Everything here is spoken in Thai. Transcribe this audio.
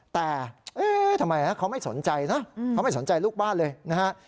แต่เอ๊ะทำไมเขาไม่สนใจนะเขาไม่สนใจลูกบ้านเลยนะฮะ